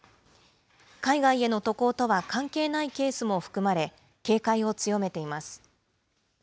海外への渡航とは関係ないケースも含まれ、警戒を強めています。